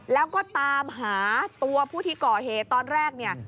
แล้วก็ตามหาตัวผู้ที่ก่อเฮตอนแรก